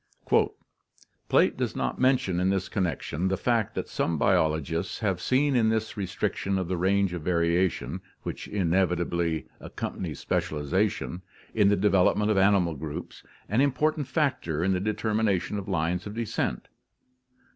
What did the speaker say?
"Plate does not mention in this connection the fact that some biologists have seen in this restriction of the range of variation which inevitably accompanies specialization in the development of animal groups an important factor in the determination of lines of descent.